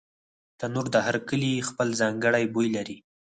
تنور د هر کلي خپل ځانګړی بوی لري